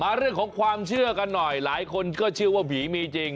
เรื่องของความเชื่อกันหน่อยหลายคนก็เชื่อว่าผีมีจริง